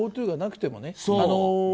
ＧｏＴｏがなくてもね。